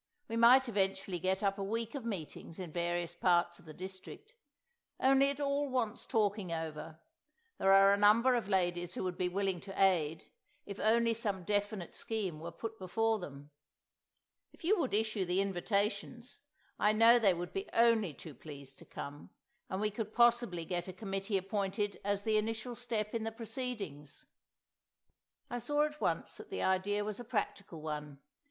We might eventually get up a week of meetings in various parts of the district. Only it all wants talking over. There are a number of ladies who would be willing to aid, if only some definite scheme were put before them. If you would issue the invitations, I know they would be only too pleased to come; and we could possibly get a committee appointed as the initial step in the proceedings." I saw at once that the idea was a practical one.